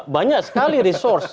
banyak sekali resource